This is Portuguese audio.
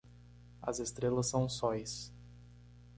As estrelas são sóis.